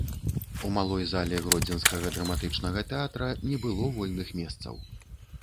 У малой зале гродзенскага драматычнага тэатра не было вольных месцаў.